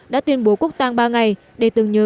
đã tuyên bố quốc tàng ba ngày để từng nhớ